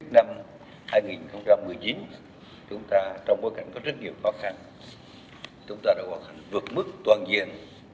năm hai nghìn một mươi chín chúng ta trong bối cảnh có rất nhiều khó khăn chúng ta đã hoạt hành vượt mức toàn diện